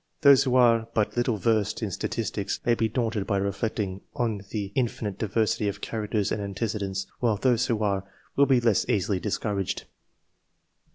Those who are but little versed in statistics may be daunted by reflecting on the infinite diversity of characters and antecedents ; while those who are, will be less easily discouraged.